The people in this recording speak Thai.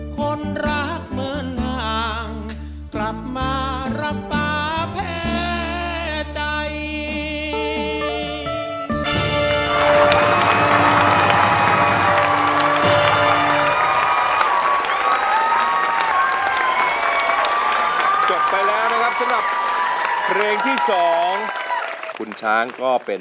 คนรักเหมือนห่างกลับมาลำบากแพ้ใจ